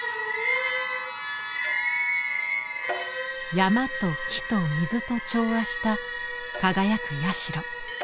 山と木と水と調和した輝く社。